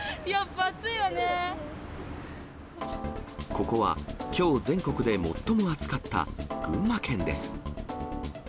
ここは、きょう全国で最も暑かった群馬県です。